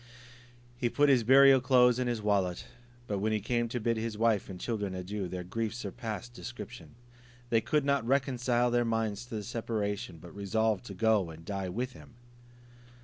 He put his burial clothes in his wallet; but when he came to bid his wife and children adieu, their grief surpassed description. They could not reconcile their minds to the separation, but resolved to go and die with him.